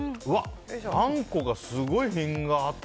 あんこが、すごい品があって。